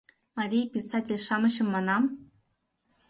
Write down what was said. — Марий писатель-шамычым манам.